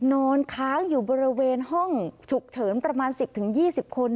นอนค้างอยู่บริเวณห้องฉุกเฉินประมาณ๑๐๒๐คน